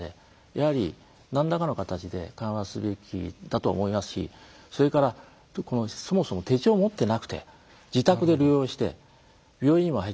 やはり何らかの形で緩和すべきだと思いますしそれからそもそも手帳を持っていなくて自宅で療養して病院にも入っていない。